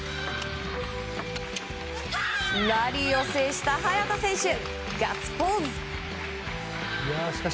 ラリーを制した早田選手ガッツポーズ！